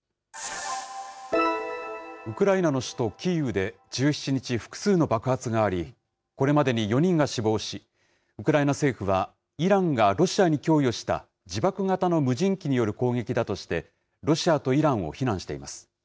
ウクライナの首都キーウで１７日、複数の爆発があり、これまでに４人が死亡し、ウクライナ政府は、イランがロシアに供与した自爆型の無人機による攻撃だとして、ロシアとイランを非難しています。